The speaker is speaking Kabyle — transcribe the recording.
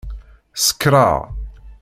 Sekṛeɣ.